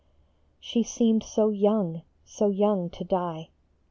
She seemed so young, so young to die